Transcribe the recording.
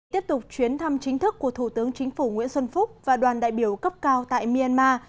tiếp tục chuyến thăm chính thức của thủ tướng chính phủ nguyễn xuân phúc và đoàn đại biểu cấp cao tại myanmar